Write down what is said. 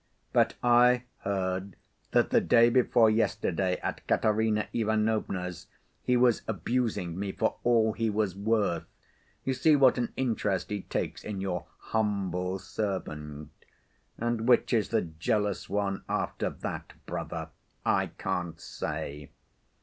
"But I heard that the day before yesterday at Katerina Ivanovna's he was abusing me for all he was worth—you see what an interest he takes in your humble servant. And which is the jealous one after that, brother, I can't say.